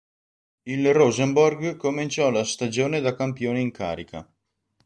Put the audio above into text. Il Rosenborg cominciò la stagione da campione in carica.